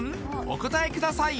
お答えください